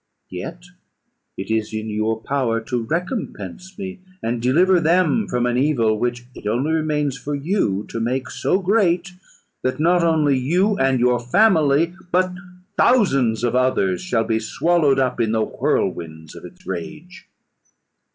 Yet it is in your power to recompense me, and deliver them from an evil which it only remains for you to make so great, that not only you and your family, but thousands of others, shall be swallowed up in the whirlwinds of its rage.